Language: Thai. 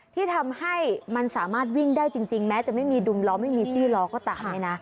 ที่ทำให้มันสามารถวิ่งได้จริงแม้จะไม่มีดุมล้อไม่มีซี่ล้อก็ตามเนี่ยนะ